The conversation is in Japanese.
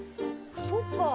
そっか。